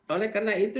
oleh karena itu